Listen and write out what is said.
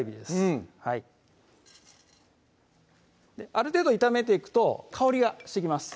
うんある程度炒めていくと香りがしてきます